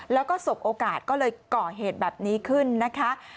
แล้วก็สบโอกาสก็เลยก่อเหตุแบบนี้ขึ้นนะคะ